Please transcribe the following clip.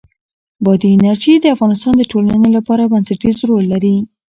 بادي انرژي د افغانستان د ټولنې لپاره بنسټيز رول لري.